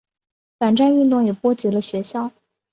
反战运动也波及了学校。